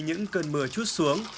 những cơn mưa chút xuống